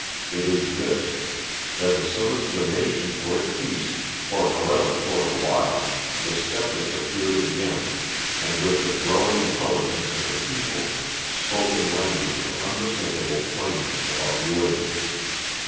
It is this, that as soon as the nations were at peace, for however short a while, the sceptics appeared again, and with the growing intelligence of the people, spoke in language of unmistakeable plainness about religion.